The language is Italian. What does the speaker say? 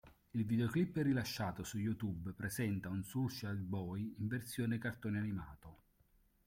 Il videoclip rilasciato su YouTube, presenta un Soulja Boy in versione cartone animato.